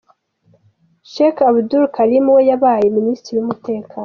Sheikh Abdul Karim we yabaye Minsitiri w’Umutekano.